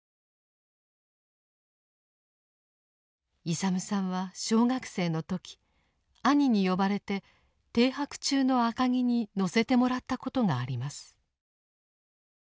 勇さんは小学生の時兄に呼ばれて停泊中の赤城に乗せてもらったことがあります。